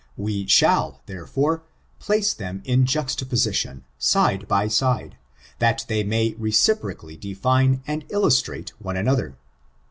Wa sliall, therefore, place them in juxtaposition, side by side, that they may reciprocally define and illustrate one another.